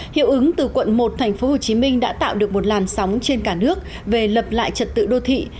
hiệu ứng từ quận một tp hcm đã tạo được một làn sóng trên cả nước về lập lại trật tự đô thị